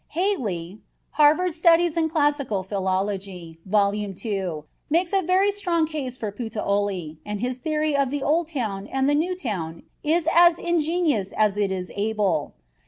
Haley, "Harvard Studies in Classical Philology," vol. II, makes out a very strong case for Puteoli, and his theory of the old town and the new town is as ingenious as it is able.